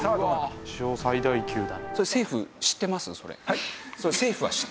史上最大級だ。